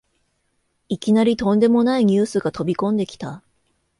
いきなりとんでもないニュースが飛びこんできた